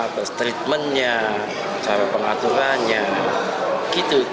apa treatmentnya cara pengaturannya gitu